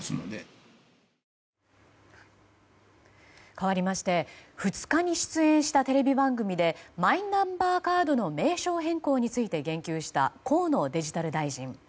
かわりまして２日に出演したテレビ番組でマイナンバーカードの名称変更について言及した河野デジタル大臣。